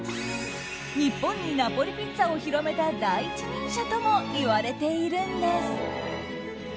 日本にナポリピッツァを広めた第一人者ともいわれているんです。